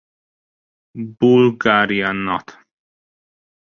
Bulgarian Nat.